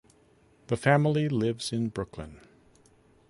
The family lives in Brooklyn.